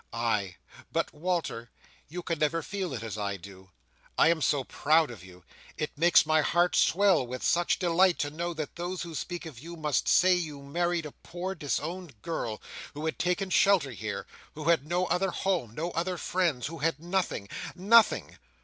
"Ay! but, Walter, you can never feel it as I do. I am so proud of you! It makes my heart swell with such delight to know that those who speak of you must say you married a poor disowned girl, who had taken shelter here; who had no other home, no other friends; who had nothing—nothing!